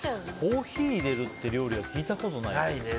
コーヒー入れるって料理は聞いたことないね。